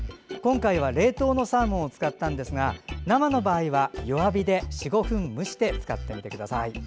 今回は、冷凍のサーモンを使ったんですが生の場合は弱火で４５分蒸して使ってみてください。